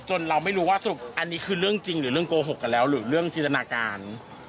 เราไม่รู้ว่าสรุปอันนี้คือเรื่องจริงหรือเรื่องโกหกกันแล้วหรือเรื่องจินตนาการ